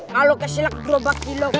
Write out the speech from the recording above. kalau keselak grobak cilok